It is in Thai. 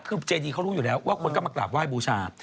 คือเจดีเขารู้อยู่แล้วว่าคนก็มากราบไหว้บูชา